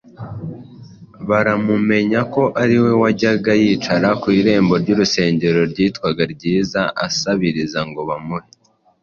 baramumenya ko ari we wajyaga yicara ku irembo ry’urusengero ryitwaga Ryiza asabiriza ngo bamuhe;